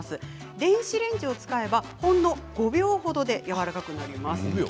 電子レンジを使えば、ほんの５秒ほどでやわらかくなります。